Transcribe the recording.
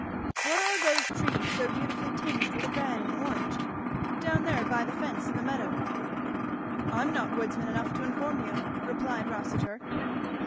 "What are those trees so beautifully tinged with red and orange? down there by the fence in the meadow." "I am not woodsman enough to inform you," replied Rossitur.